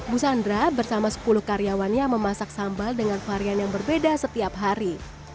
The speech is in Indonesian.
busandra bersama sepuluh karyawannya memasak sambal dengan varian yang berbeda setiap hari